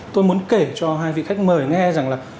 tôi muốn kể cho hai vị khách mời nghe rằng là